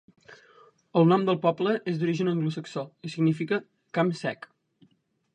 El nom del poble és d'origen anglosaxó i significa "camp sec".